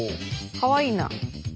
かわいいな。